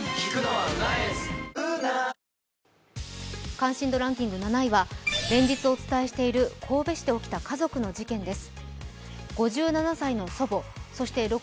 関心度ランキング７位は連日お伝えしている神戸市で起きた家族の事件です。